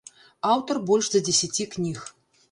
Аўтар больш за дзесяці кніг.